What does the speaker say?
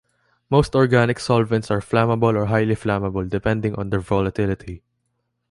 Most organic solvents are flammable or highly flammable, depending on their volatility.